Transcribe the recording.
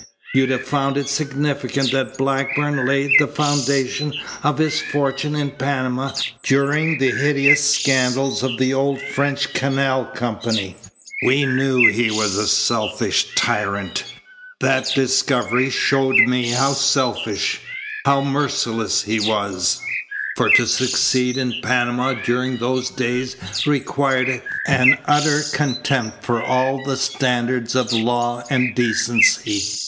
"You'd have found it significant that Blackburn laid the foundation of his fortune in Panama during the hideous scandals of the old French canal company. We knew he was a selfish tyrant. That discovery showed me how selfish, how merciless he was, for to succeed in Panama during those days required an utter contempt for all the standards of law and decency.